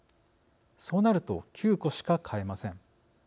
そうなると９個しか買えません。